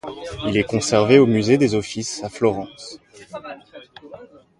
Il est conservé au musée des Offices à Florence.